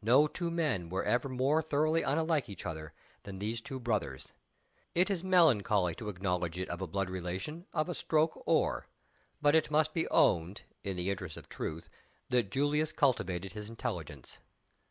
No two men were ever more thoroughly unlike each other than these two brothers. It is melancholy to acknowledge it of the blood relation of a "stroke oar," but it must be owned, in the interests of truth, that Julius cultivated his intelligence.